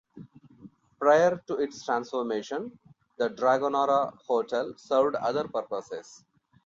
Prior to its transformation, the Dragonara Hotel served other purposes.